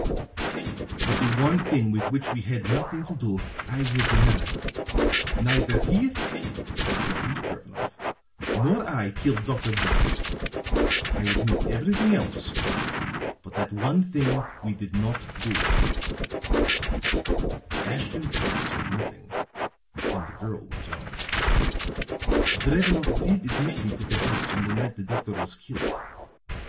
"But the one thing with which we had nothing to do I will deny. Neither he," pointing to Drevenoff, "nor I killed Dr. Morse. I admit everything else; but that one thing we did not do." Ashton Kirk said nothing; and the girl went on: "Drevenoff did admit me to the house on the night the doctor was killed.